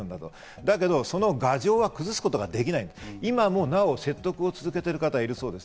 だけどその牙城が崩すことができない、今もなお説得を続けている方がいるそうです。